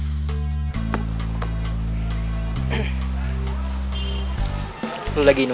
seharusnya dia diantar